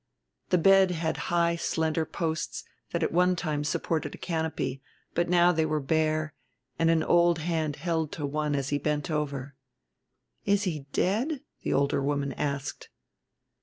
The bed had high slender posts that at one time supported a canopy, but now they were bare, and an old hand held to one as he bent over. "Is he dead?" the older woman asked.